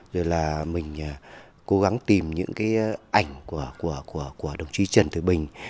rồi là mình cố gắng tìm những cái ảnh của đồng chí trần thời bình